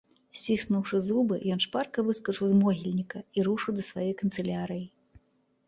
Сціснуўшы зубы, ён шпарка выскачыў з могільніка і рушыў да сваёй канцылярыі.